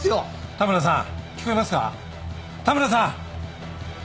田村さん？